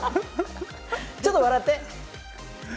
ちょっと笑って。